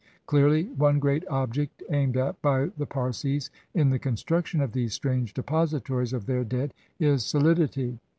Clearly, one great object aimed at by the Parsis in the con struction of these strange depositories of their dead is solidity.